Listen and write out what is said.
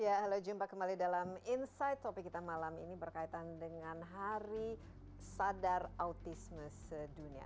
ya halo jumpa kembali dalam insight topik kita malam ini berkaitan dengan hari sadar autisme sedunia